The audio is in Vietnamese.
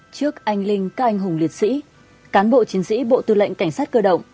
trước anh linh các anh hùng liệt sĩ cán bộ chiến sĩ bộ tư lệnh cảnh sát cơ động